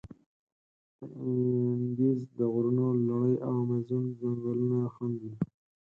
د اندیز د غرونو لړي او امازون ځنګلونه خنډ دي.